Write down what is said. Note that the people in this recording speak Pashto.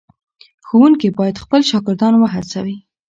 ښوونکي باید خپل شاګردان وهڅوي.